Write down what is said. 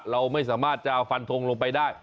เราไม่สามารถจะฟันทงลงไปได้